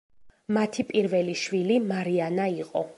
მათი პირველი შვილი მარიანა იყო.